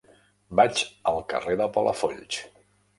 Vaig al carrer de Palafolls.